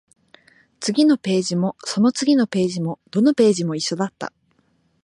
次のページも、その次のページも、どのページも一緒だった